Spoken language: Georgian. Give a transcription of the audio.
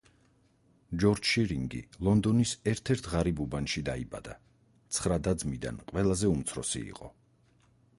ჯორჯ შირინგი ლონდონის ერთ-ერთ ღარიბ უბანში დაიბადა, ცხრა და-ძმიდან ყველაზე უმცროსი იყო.